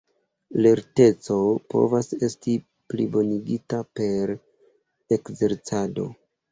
Lerteco povas esti plibonigita per ekzercado.